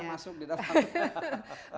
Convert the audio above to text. termasuk di dalam